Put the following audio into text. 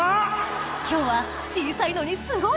今日は小さいのにすごい！